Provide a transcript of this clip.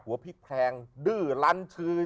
หัวพี่แพงดื้อรัน